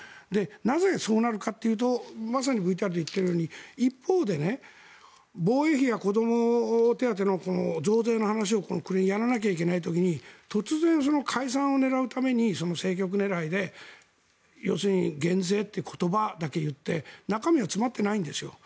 なぜそうなるかというとまさにＶＴＲで言ってるように一方で、防衛費や子ども手当の増税の話をやらなきゃいけない時に突然解散を狙うために政局狙いで、要するに減税という言葉だけ言って中身が詰まっていないんですよ。